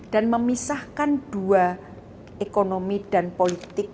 dan memisahkan dua ekonomi dan politik